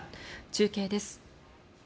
中継です。